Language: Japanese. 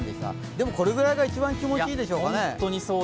でも、これぐらいが一番気持ちいいでしょうかね。